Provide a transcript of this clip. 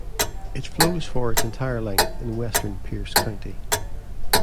It flows for its entire length in western Pierce County.